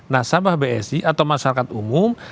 nasabah bsi atau masyarakat umum